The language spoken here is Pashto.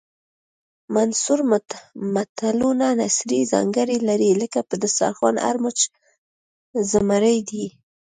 منثور متلونه نثري ځانګړنې لري لکه په دسترخوان هر مچ زمری دی